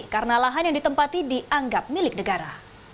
karena lahan yang ditempati dianggap milik negara